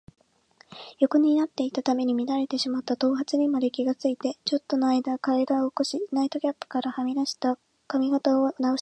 横になっていたために乱れてしまった頭髪にまで気がついて、ちょっとのあいだ身体を起こし、ナイトキャップからはみ出た髪形をなおしていた。